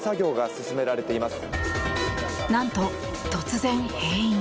何と突然閉院。